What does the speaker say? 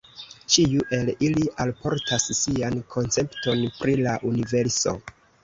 Ĉiu el ili alportas sian koncepton pri la universo.